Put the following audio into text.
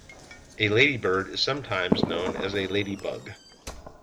A ladybird is sometimes known as a ladybug